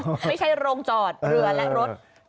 ไม่ใช่โรงจอดเรือและรถ